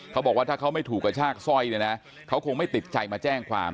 เขาบอกว่าถ้าเขาไม่ถูกกระชากสร้อยเนี่ยนะเขาคงไม่ติดใจมาแจ้งความ